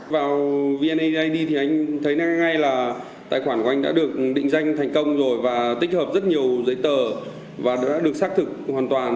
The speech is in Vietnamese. vào vneid thì anh thấy ngay là tài khoản của anh đã được định danh thành công rồi và tích hợp rất nhiều giấy tờ và đã được xác thực hoàn toàn